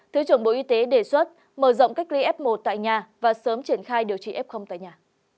thứ trưởng bộ y tế đề xuất mở rộng cách ly f một tại nhà và sớm triển khai điều trị f tại nhà